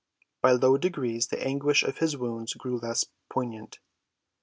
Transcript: By slow degrees the anguish of his wounds grew less poignant.